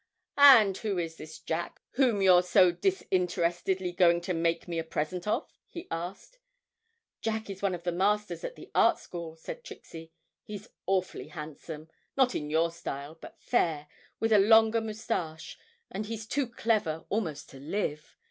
'And who is this Jack whom you're so disinterestedly going to make me a present of?' he asked. 'Jack is one of the masters at the Art School,' said Trixie; 'he's awfully handsome not in your style, but fair, with a longer moustache, and he's too clever almost to live.